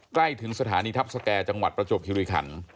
ใกล้ถึงสถานีทัพสแก่จังหวัดประจวบคิริขัน